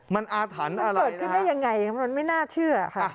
มันอาถรรพ์อะไรเกิดขึ้นได้ยังไงมันไม่น่าเชื่อค่ะ